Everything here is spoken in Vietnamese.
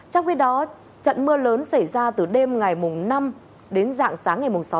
trong khi đó trận mưa lớn xảy ra từ đêm ngày mùng năm đến dạng sáng ngày mùng sáu tháng một mươi